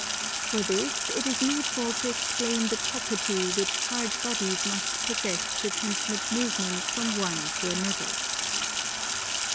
For this, it is needful to explain the property which hard bodies must possess to transmit movement from one to another.